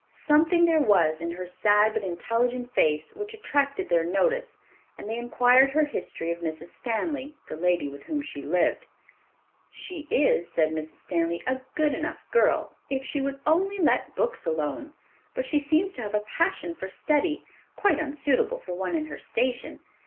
Something there was in her sad but intelligent face which attracted their notice, and they inquired her history of Mrs. Stanley, the lady with whom she lived. "She is," said Mrs. Stanley, "a good enough girl, if she would only let books alone; but she seems to have a passion for study, quite unsuitable for one in her station.